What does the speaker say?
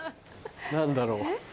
何だろう。